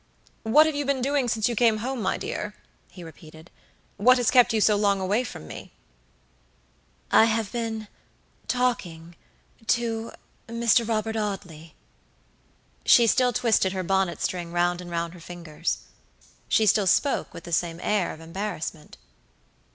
"What have you been doing since you came home, my dear?" he repeated. "What has kept you so long away from me?" "I have beentalkingtoMr. Robert Audley." She still twisted her bonnet string round and round her fingers. She still spoke with the same air of embarrassment.